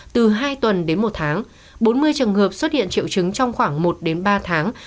từ hai tuần đến một tháng bốn mươi trường hợp xuất hiện triệu chứng trong khoảng một đến ba tháng